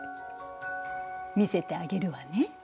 見せてあげるわね。